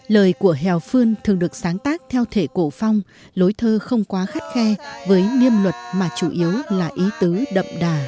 lời của hào phân thường được sáng tác theo thể cổ phong lối thơ không quá khắt khe với niêm luật mà chủ yếu là ý tứ đậm đặc